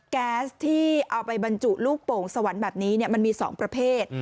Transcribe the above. แก๊สที่เอาไปบรรจุลูกโป่งสวรรค์แบบนี้มันมี๒ประเภท